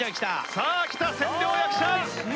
さあきた千両役者！